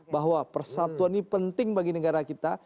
bahwa persatuan ini penting bagi negara kita